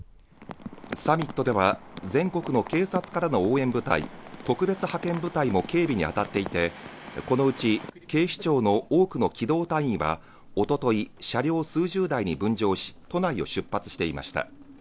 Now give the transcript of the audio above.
サミットでは、全国の警察からの応援部隊特別派遣部隊も警備にあたっていてこのうち、警視庁の多くの機動隊員は一昨日、車両数十台に分乗し、都内を出発していました。